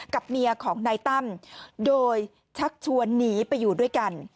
กับเมียของนายตั้มโดยชักชวนหนีไปอยู่ด้วยกัน